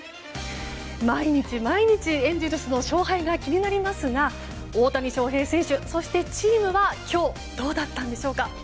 毎日毎日エンゼルスの勝敗が気になりますが大谷翔平選手、そしてチームは今日、どうだったんでしょうか。